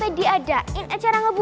ibu udi salaries